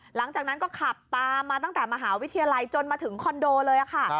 หลังจากนั้นก็ขับตามมาตั้งแต่มหาวิทยาลัยจนมาถึงคอนโดเลยค่ะ